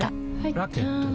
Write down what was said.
ラケットは？